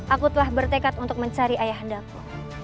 aku telah bertekad untuk mencari ayah anda ku